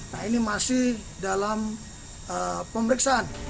nah ini masih dalam pemeriksaan